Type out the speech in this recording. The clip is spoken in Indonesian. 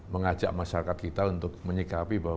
mengajak masyarakat kita untuk menyikapi bahwa